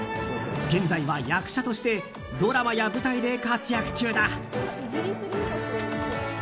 現在は役者としてドラマや舞台で活躍中だ。